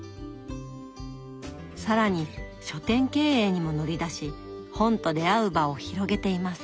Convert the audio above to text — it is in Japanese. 更に書店経営にも乗り出し本と出会う場を広げています。